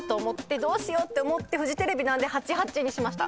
どうしようって思ってフジテレビなんで「８８」にしました。